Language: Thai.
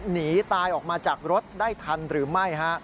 หนีตายออกมาจากรถได้ทันหรือไม่